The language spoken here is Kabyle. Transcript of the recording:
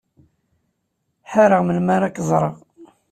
Ḥareɣ melmi ara k-ẓreɣ.